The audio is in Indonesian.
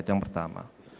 itu yang pertama